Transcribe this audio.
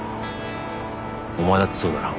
お前だってそうだろ？